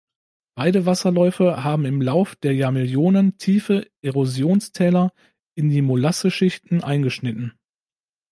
Beide Wasserläufe haben im Lauf der Jahrmillionen tiefe Erosionstäler in die Molasseschichten eingeschnitten.